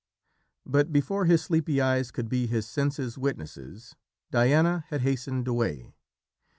But before his sleepy eyes could be his senses' witnesses, Diana had hastened away.